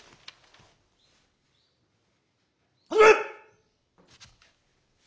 始め！